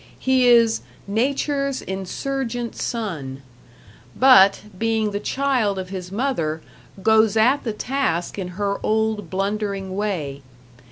He is "Nature's insurgent son"; but, being the child of his mother, goes at the task in her old blundering way.